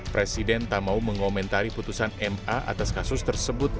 presiden tak mau mengomentari putusan ma atas kasus tersebut